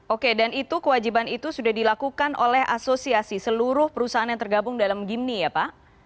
oke dan itu kewajiban itu sudah dilakukan oleh asosiasi seluruh perusahaan yang tergabung dalam gimni ya pak